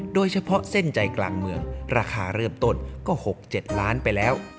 โดยเฉพาะเส้นใจกลางเมืองราคาเริ่มต้นก็๖๗ล้านไปแล้ว